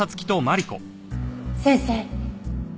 先生